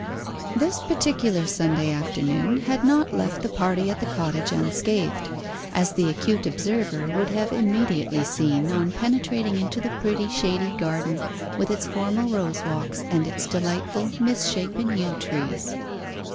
This particular Sunday afternoon had not left the party at the cottage unscathed, as the acute observer would have immediately seen on penetrating into the pretty shady garden, with its formal rose walks, and its delightful misshapen yew trees.